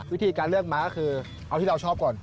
วิธีการเลือกม้าก็คือเอาที่เราชอบก่อน